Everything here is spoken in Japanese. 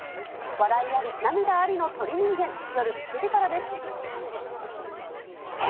笑いあり、涙ありの鳥人間、夜７時からです。